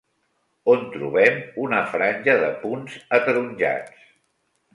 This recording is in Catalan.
On trobem una franja de punts ataronjats?